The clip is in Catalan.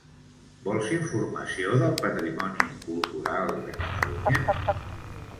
Vols informació del patrimoni cultural de Catalunya?